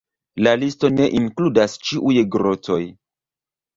La listo ne inkludas ĉiuj grotoj.